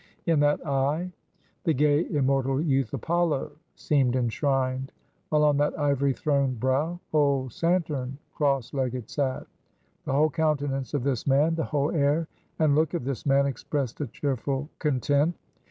In that eye, the gay immortal youth Apollo, seemed enshrined; while on that ivory throned brow, old Saturn cross legged sat. The whole countenance of this man, the whole air and look of this man, expressed a cheerful content.